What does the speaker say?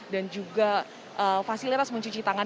dan juga fasilitas mencuci tangan